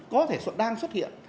có thể đang xuất hiện